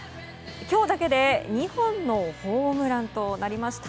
今日だけで２本のホームランとなりました。